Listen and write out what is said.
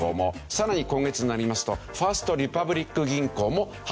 さらに今月になりますとファースト・リパブリック銀行も破たんした。